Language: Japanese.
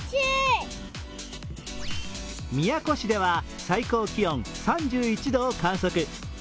宮古市では最高気温３１度を観測。